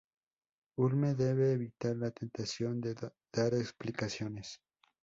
Hulme debe evitar la tentación de dar explicaciones.